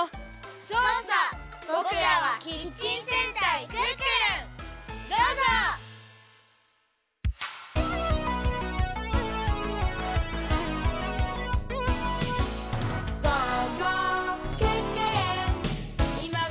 「そうさボクらはキッチン戦隊クックルン」どうぞ！「」「」イエイ！やぁ！